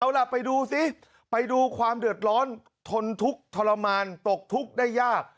เอาล่ะไปดูซิไปดูความเดือดร้อนทนทุกข์ทรมานตกทุกข์ได้ยาก